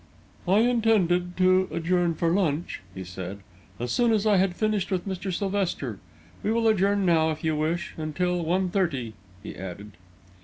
"I intended to adjourn for lunch," he said, "as soon as I had finished with Mr. Sylvester. We will adjourn now, if you wish until one thirty," he added.